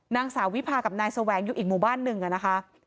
นางสาววิพากับนายแสวงอยู่อีกหมู่บ้านหนึ่งอะนะคะ